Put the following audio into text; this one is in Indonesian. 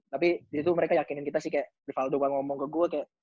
tapi disitu mereka yakinin kita sih kayak rivaldo banget ngomong ke gue kayak